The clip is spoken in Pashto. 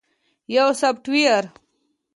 - یو سافټویر 📦